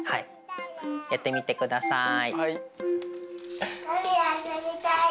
やってみてください。